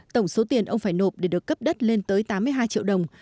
tổng số tiền ông phải nộp để được cấp đất lên tới tám mươi hai triệu đồng